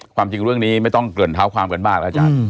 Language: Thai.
ความจริงเรื่องนี้ไม่ต้องเกริ่นเท้าความกันมากแล้วอาจารย์